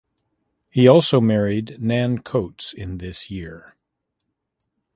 He also married Nan Coats in this year.